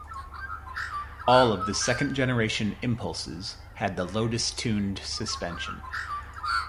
All of the second generation Impulses had the Lotus-tuned suspension.